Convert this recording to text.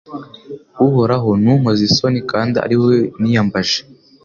Uhoraho ntunkoze isoni kandi ari wowe niyambaje